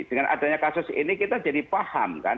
dengan adanya kasus ini kita jadi paham kan